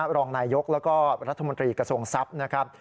รองนายยกแล้วก็รัฐมนตรีกระทรวงทรัพย์นะครับ